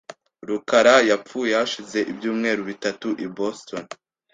rukara yapfuye hashize ibyumweru bitatu i Boston .